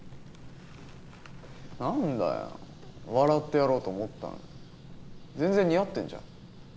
何だよ笑ってやろうと思ったのに全然似合ってんじゃん。